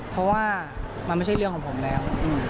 เพราะว่ามันไม่ใช่เรื่องของผมแล้ว